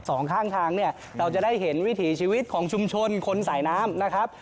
สองข้างทางเนี่ยเราจะได้เห็นวิถีชีวิตของชุมชนคนสายน้ำนะครับ